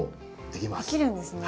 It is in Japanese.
できるんですね。